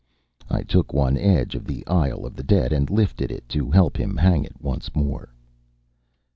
I took one edge of The Isle of the Dead and lifted it to help him hang it once more.